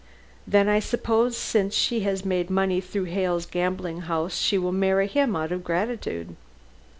"Then I suppose since she has made money through Hale's gambling house she will marry him out of gratitude."